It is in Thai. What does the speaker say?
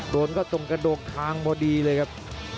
โดนเข้าตรงกระดูกคางพอดีเลยครับ